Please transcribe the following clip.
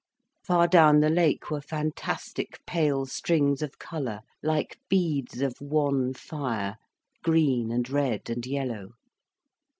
Far down the lake were fantastic pale strings of colour, like beads of wan fire, green and red and yellow.